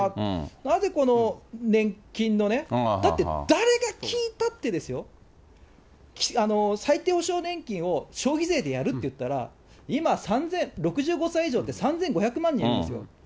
なぜ年金の、だって誰が聞いたってですよ、最低保障年金を消費税でやるっていったら、今、６５歳以上って３５００万人いるんですよ。